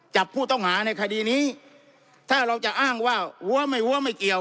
จับผู้ต้องหาในคดีนี้ถ้าเราจะอ้างว่าหัวไม่หัวไม่เกี่ยว